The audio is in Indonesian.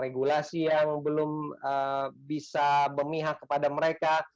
regulasi yang belum bisa memihak kepada mereka